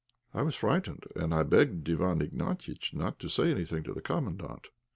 I was frightened, and I begged Iwán Ignatiitch not to say anything to the Commandant.